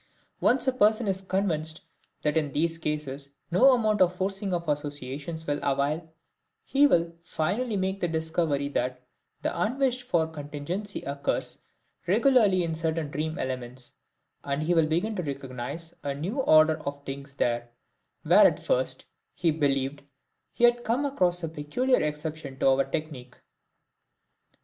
Once a person is convinced that in these cases no amount of forcing of associations will avail, he will finally make the discovery that the unwished for contingency occurs regularly in certain dream elements, and he will begin to recognize a new order of things there, where at first he believed he had come across a peculiar exception to our technique.